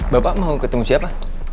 bapak mau ketemu siapa